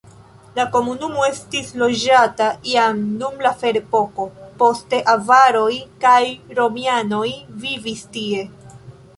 La komunumo estis loĝata jam dum la ferepoko, poste avaroj kaj romianoj vivis tie.